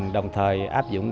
đồng thời áp dụng